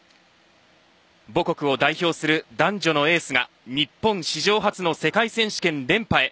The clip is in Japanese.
母国を代表する男女のエースが日本史上初の世界選手権連覇へ。